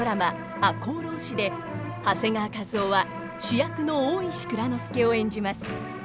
「赤穂浪士」で長谷川一夫は主役の大石内蔵助を演じます。